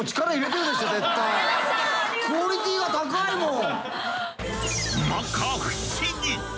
クオリティが高いもん！